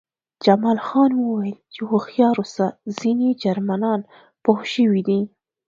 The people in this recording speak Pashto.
جمال خان وویل چې هوښیار اوسه ځینې جرمنان پوه شوي دي